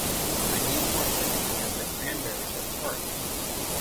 I need more sugar because the cranberries are tart.